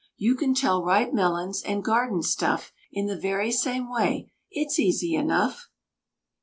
You can tell ripe melons and garden stuff In the very same way it's easy enough."